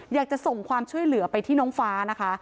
อยากจะส่งความช่วยเหลือไปที่น้องฟ้านะคะ